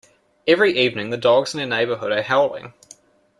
Every evening, the dogs in our neighbourhood are howling.